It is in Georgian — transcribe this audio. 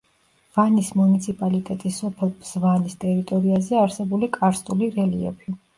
ვანის მუნიციპალიტეტის სოფელ ბზვანის ტერიტორიაზე არსებული კარსტული რელიეფი.